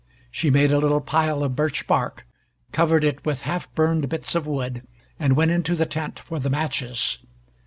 She made a little pile of birch bark, covered it with half burned bits of wood, and went into the tent for the matches.